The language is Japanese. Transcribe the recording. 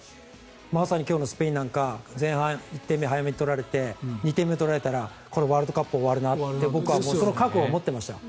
まさに今日のスペインなんか前半、１点目を早めに取られて２点目取られたらワールドカップが終わるなって僕はその覚悟を持っていました。